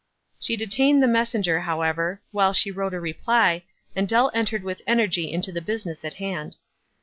She detained the messenger, however, while she wrote a reply, and Deli entered with energy into the business at hand.